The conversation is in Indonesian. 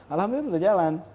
alhamdulillah sudah jalan